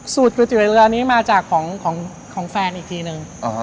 ก๋วยเตี๋ยวเรือนี้มาจากของแฟนอีกทีนึง